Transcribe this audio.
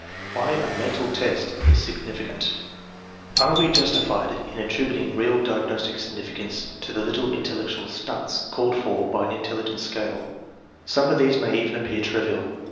Why a mental test is significant Are we justified in attributing real diagnostic significance to the little intellectual "stunts" called for by an intelligence scale? Some of these may even appear trivial.